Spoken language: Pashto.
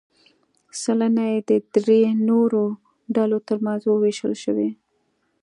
سلنه یې د درې نورو ډلو ترمنځ ووېشل شوې.